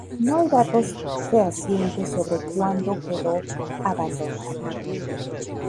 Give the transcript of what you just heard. No hay datos fehacientes sobre cuándo quedó abandonada.